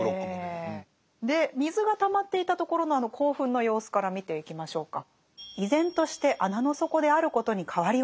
ええ。で水がたまっていたところのあの興奮の様子から見ていきましょうか。